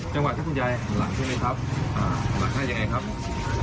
จังหวัดที่คุณยายหลังได้ไหมครับหลังแทนอย่างไรครับ